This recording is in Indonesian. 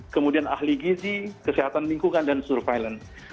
kemudian ahli gizi kesehatan lingkungan dan surveillance